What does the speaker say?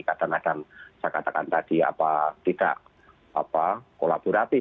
kadang kadang saya katakan tadi tidak kolaboratif